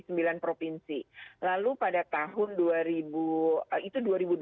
sembilan provinsi lalu pada tahun dua ribu itu